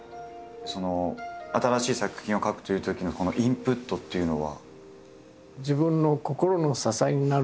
新しい作品を描くというときのインプットっていうのは？